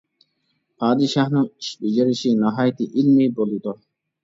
پادىشاھنىڭ ئىش بېجىرىشى ناھايىتى ئىلمىي بولىدۇ.